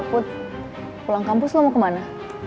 put pulang kampus mau kemana